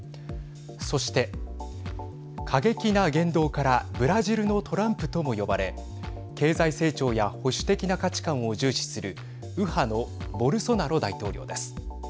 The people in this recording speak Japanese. そして、過激な言動からブラジルのトランプとも呼ばれ経済成長や保守的な価値観を重視する右派のボルソナロ大統領です。